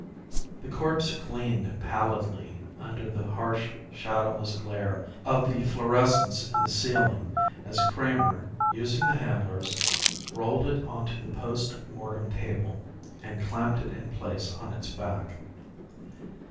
The corpse gleamed pallidly under the harsh shadowless glare of the fluorescents in the ceiling as Kramer, using the handlers, rolled it onto the post mortem table and clamped it in place on its back.